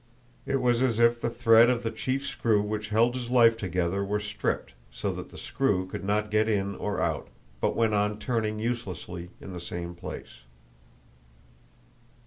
It was as if the thread of the chief screw which held his life together were stripped, so that the screw could not get in or out, but went on turning uselessly in the same place.